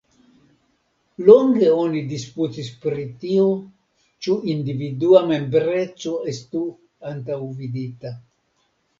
Longe oni disputis pri tio, ĉu individua membreco estu antaŭvidita.